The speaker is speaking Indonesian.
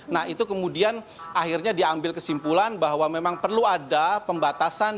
nah itu kemudian akhirnya diambil kesimpulan bahwa memang perlu ada pembatasan